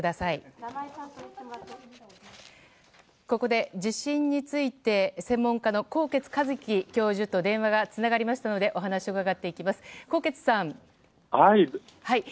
ここで地震について、専門家の纐纈一起教授と電話がつながりましたのでつながりましたのでお話を伺っていきます。